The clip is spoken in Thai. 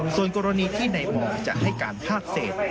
ส่วนกรณีที่ในมองจะให้การพาดเศษ